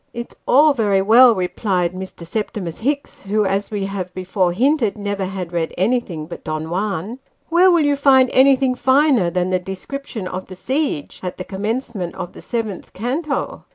" It's all very well," replied Mr. Septimus Hicks, who, as we have before hinted, never had read anything but Don Juan. " Where will 212 Sketches by Boz. you find anything finer than the description of the siege, at the com mencement of the seventh canto ?